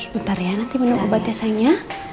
bentar ya nanti minum obat ya sayangnya